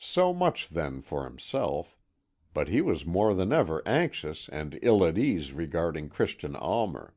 So much, then, for himself: but he was more than ever anxious and ill at ease regarding Christian Almer.